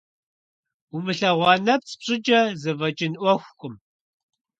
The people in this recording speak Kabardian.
Умылъэгъуа нэпцӀ пщӏыкӏэ зэфӏэкӏын ӏуэхукъым.